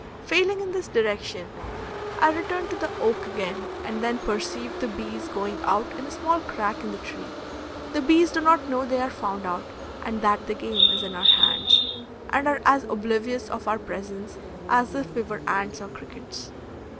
Failing in this direction, I return to the oak again, and then perceive the bees going out in a small crack in the tree. The bees do not know they are found out and that the game is in our hands, and are as oblivious of our presence as if we were ants or crickets.